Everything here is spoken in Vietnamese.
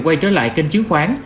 quay trở lại kênh chứng khoán